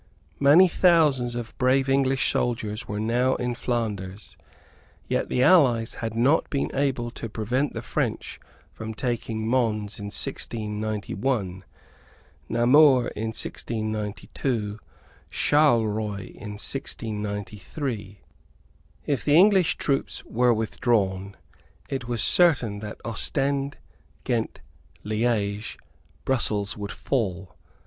Many thousands of brave English soldiers were now in Flanders. Yet the allies had not been able to prevent the French from taking Mons in 1691, Namur in 1692, Charleroy in 1693. If the English troops were withdrawn, it was certain that Ostend, Ghent, Liege, Brussels would fall.